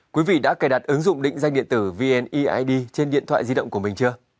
quý vị đã cài đặt ứng dụng định danh điện tử vneid trên điện thoại di động của mình chưa